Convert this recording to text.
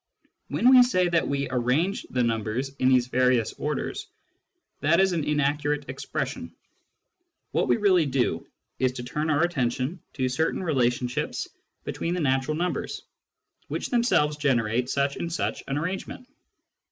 When we say that we " arrange " the numbers in these various orders, that is an inaccurate expression : what we really do is to turn our attention to certain relations between the natural numbers, which them selves generate such and such an arrangement.